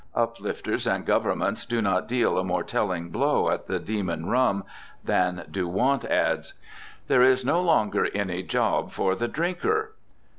Uplifters and governments do not deal a more telling blow at the demon rum than do want "ads." There is no longer any job for the drinker.